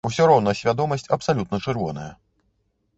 Усё роўна свядомасць абсалютна чырвоная.